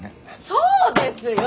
そうですよ！